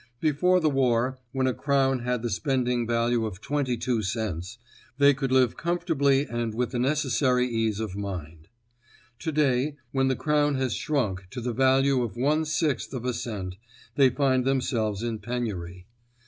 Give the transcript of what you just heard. Before the war, when a crown had the spending value of twenty two cents, they could live comfortably and with the necessary ease of mind. Today, when the crown has shrunk to the value of one sixth of a cent, they find themselves in penury.